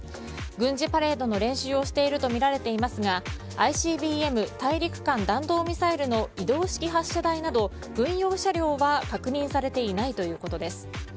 軍事パレードの練習をしているとみられていますがＩＣＢＭ・大陸間弾道ミサイルの移動式発射台など軍用車両は確認されていないということです。